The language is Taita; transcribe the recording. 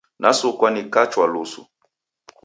Nasukwa nikachwa lusu.